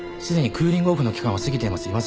すでにクーリングオフの期間は過ぎています。